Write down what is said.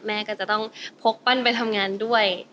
แม่ก็จะต้องพกปั้นไปทำงานด้วย